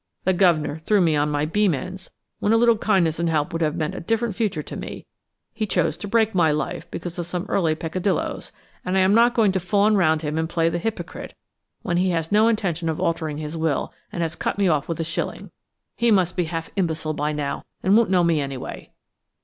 The guv'nor threw me on my beam ends when a little kindness and help would have meant a different future to me; he chose to break my life because of some early peccadilloes–and I am not going to fawn round him and play the hypocrite when he has no intention of altering his will and has cut me off with a shilling. He must be half imbecile by now, and won't know me anyway."